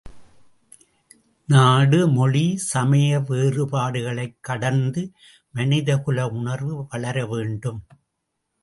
நாடு, மொழி, சமய வேறுபாடுகளைக் கடந்து மனிதகுல உணர்வு வளரவேண்டும்!